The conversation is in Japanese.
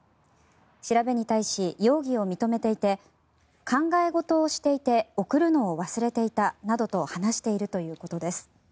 調べに対し容疑を認めていて考え事をしていて送るのを忘れていたなどと話しているということです。